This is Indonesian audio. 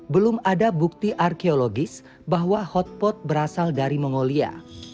belum ada bukti arkeologis bahwa hotpot berasal dari mongolia